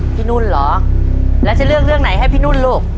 นุ่นเหรอแล้วจะเลือกเรื่องไหนให้พี่นุ่นลูก